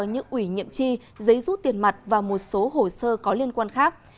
như ủy nhiệm chi giấy rút tiền mặt và một số hồ sơ có liên quan khác